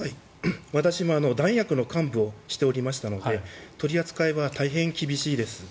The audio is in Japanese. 私も弾薬の管理をしていましたので取り扱いは大変厳しいです。